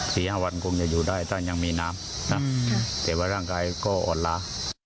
สี่ห้าวันคงจะอยู่ได้ท่านยังมีน้ำนะแต่ว่าร่างกายก็อ่อนล้า